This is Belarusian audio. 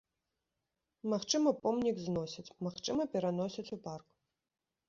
Магчыма, помнік зносяць, магчыма, пераносяць у парк.